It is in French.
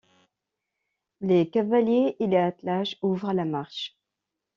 Les cavaliers et les attelages ouvrent la marche.